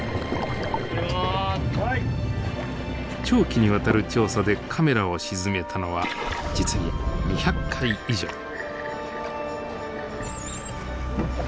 長期にわたる調査でカメラを沈めたのは実に２００回以上。